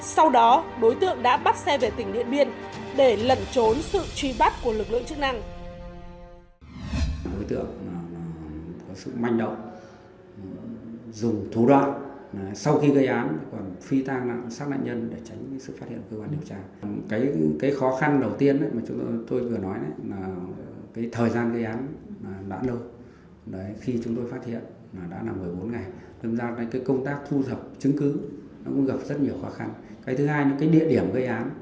sau đó đối tượng đã bắt xe về tỉnh điện biên để lẩn trốn sự truy bắt của lực lượng chức năng